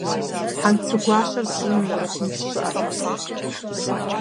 Хьэнцэгуащэр пщӏыным нэхъ тынш щыӏэтэкъым.